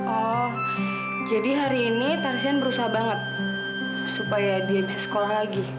oh jadi hari ini tarsian berusaha banget supaya dia bisa sekolah lagi